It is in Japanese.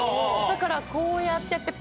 だからこうやってやって。